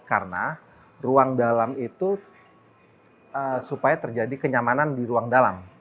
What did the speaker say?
karena ruang dalam itu supaya terjadi kenyamanan di ruang dalam